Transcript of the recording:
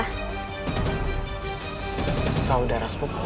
dia saudara sepupu kita